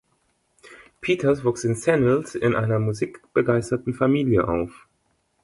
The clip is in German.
Peters wuchs in Senlis in einer musikbegeisterten Familie auf.